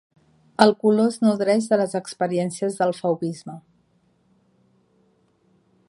El color es nodreix de les experiències del fauvisme.